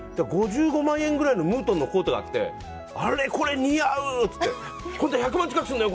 ５５万円ぐらいのムートンのコートがあってあれ、これ似合う！って１００万近くするのよ